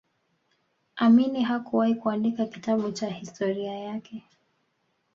Amini hakuwahi kuandika kitabu cha historia yake